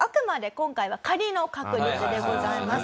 今回は仮の確率でございます。